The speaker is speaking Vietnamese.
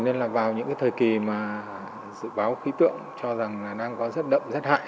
nên là vào những cái thời kỳ mà dự báo khí tượng cho rằng là đang có rét đậm rét hại